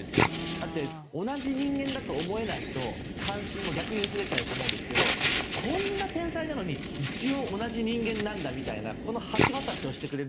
だって同じ人間だと思えないと関心も逆に薄れちゃうと思うんですけどこんな天才なのに一応同じ人間なんだみたいなこの橋渡しをしてくれるものが。